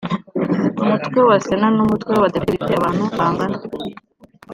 umutwe wa sena n umutwe w abadepite bifite abantu bangana